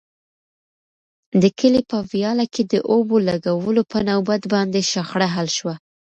د کلي په ویاله کې د اوبو لګولو په نوبت باندې شخړه حل شوه.